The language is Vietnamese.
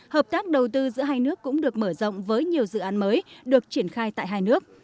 hợp tác đầu tư giữa hai nước cũng được mở rộng với nhiều dự án mới được triển khai tại hai nước